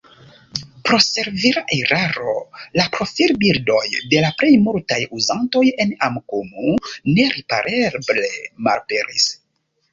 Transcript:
Pro servila eraro la profilbildoj de la plej multaj uzantoj en Amikumu neripareble malaperis.